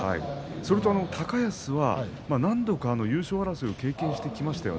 それと高安は何度か優勝争いを経験してきました。